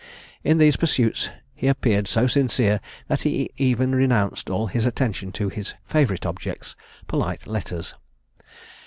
In these pursuits he appeared so sincere, that he even renounced all his attention to his favourite objects polite letters.